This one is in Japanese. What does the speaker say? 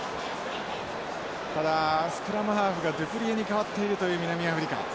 ただスクラムハーフがデュプレアに代わっているという南アフリカ。